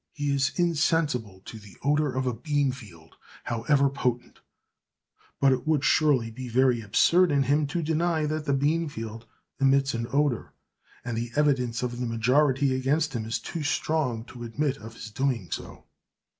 He is insensible to the odor of a beanfield, however potent: but it would surely be very absurd in him to deny that the beanfield emits an odor, and the evidence of the majority against him is too strong to admit of his doing so.